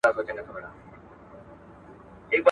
کار کېدای سي .